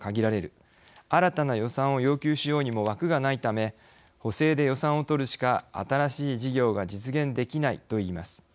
新たな予算を要求しようにも枠がないため補正で予算を取るしか新しい事業が実現できない」といいます。